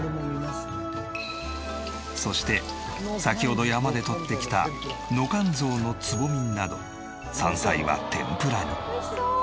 そして先ほど山で採ってきたノカンゾウのつぼみなど山菜は天ぷらに。